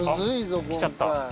あっ来ちゃった。